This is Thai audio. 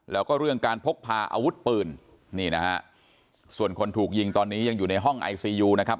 แล้วก็เรื่องการพกพาอาวุธปืนนี่นะฮะส่วนคนถูกยิงตอนนี้ยังอยู่ในห้องไอซียูนะครับ